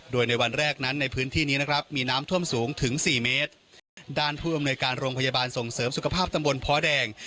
ด้านผู้อำนวยการโรงพยาบาลส่งเสริมสุขภาพตำบลพแดง